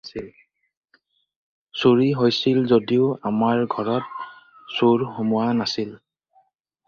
চুৰি হৈছিল যদিও আমাৰ ঘৰত চোৰ সোমোৱা নাছিল।